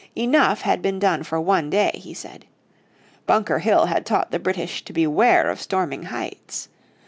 Enough had been done for one day, he said. Bunker Hill had taught the British to beware of storming heights.